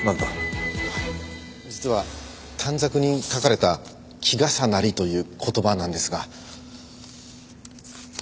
実は短冊に書かれた「きがさなり」という言葉なんですが。